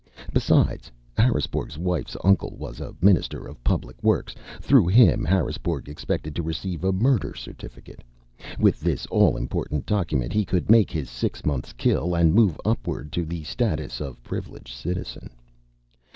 Besides, Harrisbourg's wife's uncle was a Minister of Public Works. Through him, Harrisbourg expected to receive a murder certificate. With this all important document, he could make his six months kill and move upward to the status of Privileged Citizen.